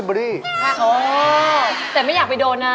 โอ้โฮแต่ไม่อยากไปโดนนะ